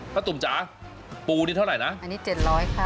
ตุ่มจ๋าปูนี่เท่าไหร่นะอันนี้๗๐๐ค่ะ